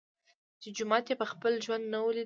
چي جومات یې په خپل ژوند نه وو لیدلی